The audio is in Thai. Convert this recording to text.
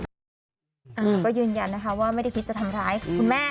ก็ยืนยันนะคะว่าไม่ได้คิดจะทำร้ายคุณแม่